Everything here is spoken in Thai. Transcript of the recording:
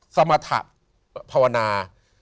สมรรถะภาวนา